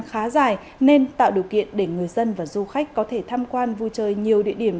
khá dài nên tạo điều kiện để người dân và du khách có thể tham quan vui chơi nhiều địa điểm